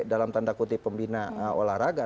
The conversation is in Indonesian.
dalam tanda kutip pembina olahraga